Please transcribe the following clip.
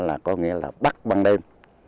là có nghĩa là bắt băng đêm